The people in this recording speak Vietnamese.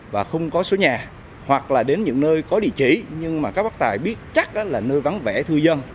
và không có số nhà hoặc là đến những nơi có địa chỉ nhưng mà các bác tài biết chắc đó là nơi vắng vẻ thư dân